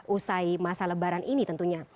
usai masa lebaran ini tentunya